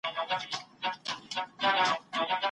بلکه خپل وړوکی ځان یې سمندر سو